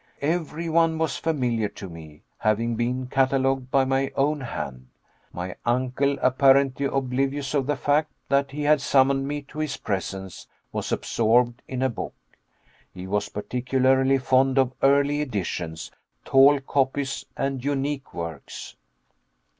Every one was familiar to me, having been catalogued by my own hand. My uncle, apparently oblivious of the fact that he had summoned me to his presence, was absorbed in a book. He was particularly fond of early editions, tall copies, and unique works.